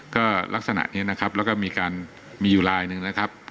ก็ลักษณะนี้นะครับแล้วก็มีการมีอยู่ลายหนึ่งนะครับ